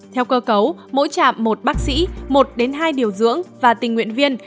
theo cơ cấu mỗi trạm một bác sĩ một đến hai điều dưỡng và tình nguyện viên